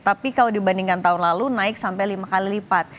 tapi kalau dibandingkan tahun lalu naik sampai lima kali lipat